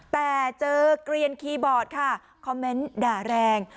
แต่เจอเกลียนคีย์บอร์ดค่ะคอมเมนต์ด่าแรง